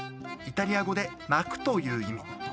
イタリア語で「巻く」という意味。